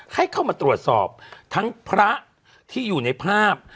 ให้เข้ามาตรวจสอบทั้งพระที่อยู่ในภาพ